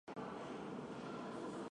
包含小学部和中学部。